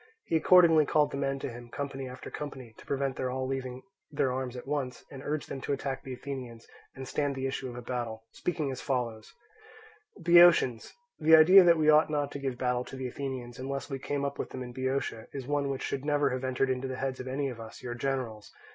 He accordingly called the men to him, company after company, to prevent their all leaving their arms at once, and urged them to attack the Athenians, and stand the issue of a battle, speaking as follows: "Boeotians, the idea that we ought not to give battle to the Athenians, unless we came up with them in Boeotia, is one which should never have entered into the head of any of us, your generals.